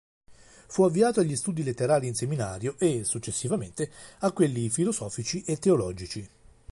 Fu avviato agli studi letterari in seminario e successivamente a quelli filosofici e teologici.